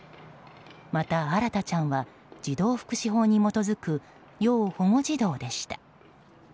また、新大ちゃんは児童福祉法に基づく要保護児童でした。